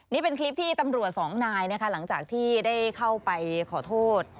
นี่เป็นคลิปที่ตำรวจสองนายนะคะหลังจากที่ได้เข้าไปขอโทษ